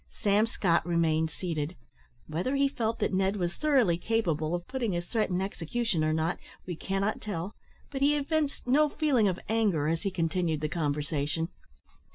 Sam Scott remained seated. Whether he felt that Ned was thoroughly capable of putting his threat in execution or not we cannot tell, but he evinced no feeling of anger as he continued the conversation.